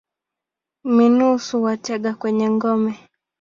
Minus huwatega kwenye ngome.